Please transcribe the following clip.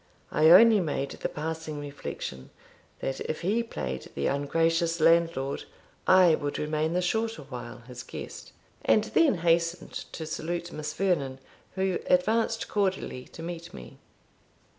I only made the passing reflection, that if he played the ungracious landlord, I would remain the shorter while his guest, and then hastened to salute Miss Vernon, who advanced cordially to meet me.